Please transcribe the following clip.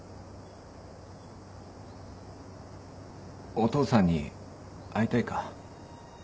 お父さんに会いたいか？